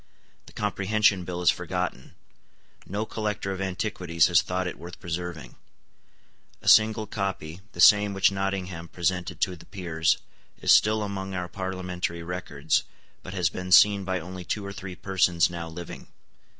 The Comprehension Bill is forgotten. No collector of antiquities has thought it worth preserving. A single copy, the same which Nottingham presented to the peers, is still among our parliamentary records, but has been seen by only two or three persons now living.